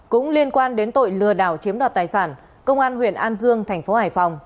cũng liên quan đến tội lừa đảo chiếm đoạt tài sản công an huyện an dương tp hải phòng